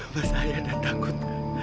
masaya dan takut